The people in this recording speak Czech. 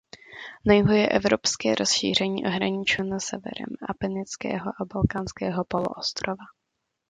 Na jihu je evropské rozšíření ohraničeno severem Apeninského a Balkánského poloostrova.